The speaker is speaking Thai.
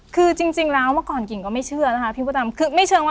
คือจริงแล้วเมื่อก่อนกิ่งก็ไม่เชื่อนะคะพี่มดดำ